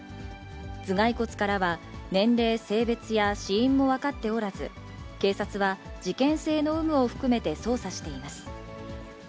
頭蓋骨からは年齢、性別や死因も分かっておらず、警察は事件性の有無を含めて捜査しています。